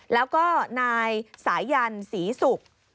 แล้วก็นายสายันศรีศุกร์